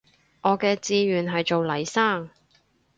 我嘅志願係做黎生